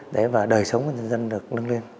đấy và đời sống của nhân dân được nâng lên